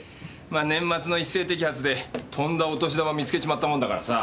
ま年末の一斉摘発でとんだお年玉見つけちまったもんだからさ。